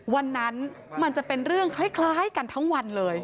วันนั้นมันจะเป็นเรื่องคล้ายกันทั้งวันเลย